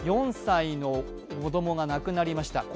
４歳の子供が亡くなりました。